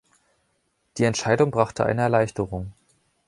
Die Entscheidung brachte eine Erleichterung.